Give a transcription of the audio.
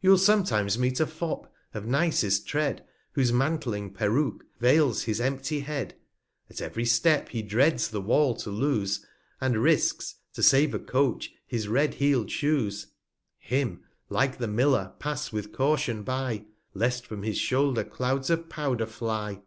You'll sometimes meet a Fop, of nicest Tread, Whose mantling Peruke veils his empty Head, At ev'ry Step he dreads the Wall to lose, 55 And risques, to save a Coach, his red heel'd Shoes; Him, like the Miller ^ pass with Caution by, Lest from his Shoulder Clouds of Powder fly.